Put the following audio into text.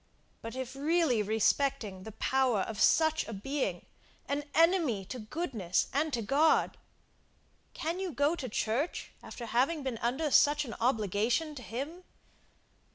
but if really respecting the power of such a being, an enemy to goodness and to God, can you go to church after having been under such an obligation to him.